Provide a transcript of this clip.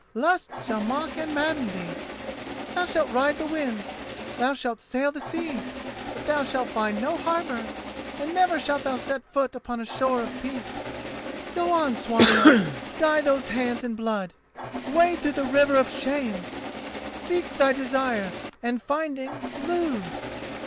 lusts shall mock and madden thee. Thou shalt ride the winds, thou shalt sail the seas, but thou shalt find no harbour, and never shalt thou set foot upon a shore of peace. "Go on, Swanhild—dye those hands in blood—wade through the river of shame! Seek thy desire, and finding, lose!